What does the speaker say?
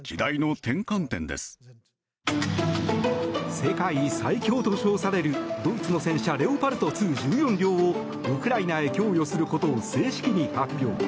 世界最強と称されるドイツの戦車レオパルト２１４両をウクライナへ供与することを正式に発表。